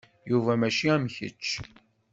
Yuba mačči am kečč.